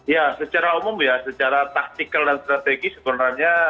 ya secara umum ya secara taktikal dan strategi sebenarnya